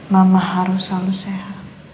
mama harus selalu sehat